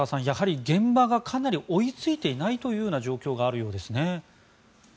やはり現場がかなり追いついていないというような状況があるようですね。